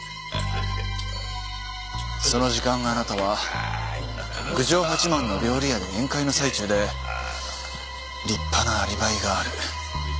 その時間あなたは郡上八幡の料理屋で宴会の最中で立派なアリバイがある。